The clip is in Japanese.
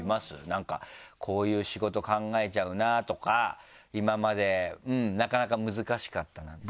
なんかこういう仕事考えちゃうなとか今までなかなか難しかったな。